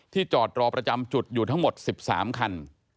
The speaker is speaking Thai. จอดรอประจำจุดอยู่ทั้งหมด๑๓คัน